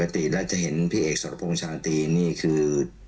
ปกติเราจะเห็นพี่เอกสตรพงษ์ชาธินี่คือ